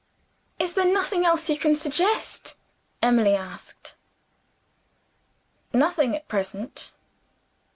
"Is there nothing else you can suggest?" Emily asked. "Nothing at present."